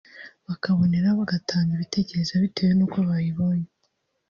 bakaboneraho bagatanga ibitekerezo bitewe n’uko bayibonye